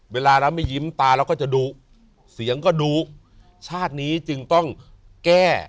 เวลาเราไม่ยิ้มตาเราก็จะดูเสียงก็ดูชาตินี้จึงต้องแก้